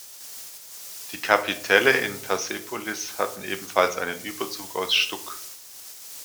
Die Kapitelle in Persepolis hatten ebenfalls einen Überzug aus Stuck.